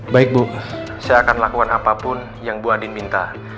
baik bu saya akan lakukan apapun yang ibu adin minta